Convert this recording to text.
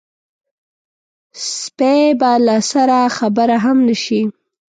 سپۍ به له سره خبره هم نه شي.